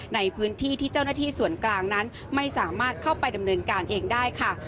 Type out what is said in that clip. ในพื้นที่ที่เจ้าหน้าที่ส่วนกลางนั้นไม่สามารถเข้าไปดำเนินการเองได้ค่ะ